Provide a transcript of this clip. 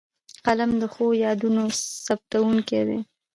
قلم د ښو یادونو ثبتوونکی دی